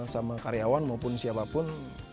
sama karyawan maupun siapapun